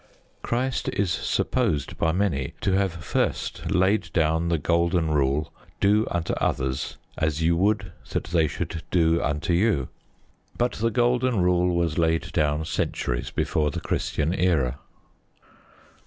Christ is supposed by many to have first laid down the Golden Rule, "Do unto others as you would that they should do unto you." But the Golden Rule was laid down centuries before the Christian era.